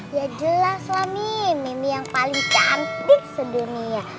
ya jelas lah mimi mimi yang paling cantik sedunia